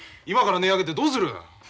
今から音を上げてどうする。